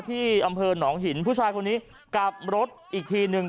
ที่อำเภอหนองหินผู้ชายคนนี้กลับรถอีกทีหนึ่ง